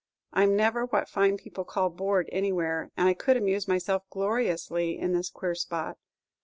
I 'm never what fine people call bored anywhere; and I could amuse myself gloriously in this queer spot.